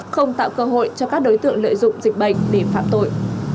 không tạo cơ hội cho các đối tượng lợi dụng dịch bệnh để phạm tội